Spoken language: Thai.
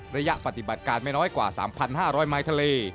ระยะปฏิบัติการไม่น้อยกว่า๓๕๐๐ไม้ทะเล